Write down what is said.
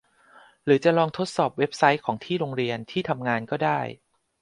หรือจะลองทดสอบเว็บไซต์ของที่โรงเรียน ที่ทำงานก็ได้